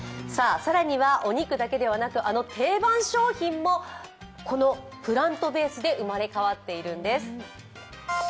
更にはお肉だけではなく、あの定番商品もこのプラントベースで生まれ変わっているんです。